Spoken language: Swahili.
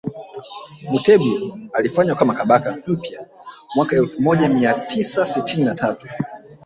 Mutebi alifanywa Kabaka mpya mwaka elfu moja mia tisa tisini na tatu